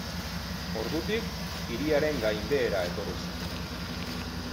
Ordutik, hiriaren gainbehera etorri zen.